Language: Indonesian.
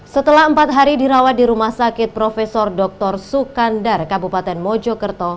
setelah empat hari dirawat di rumah sakit prof dr sukandar kabupaten mojokerto